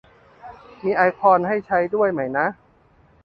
มีไอคอนให้ใช้ด้วยไหมนะ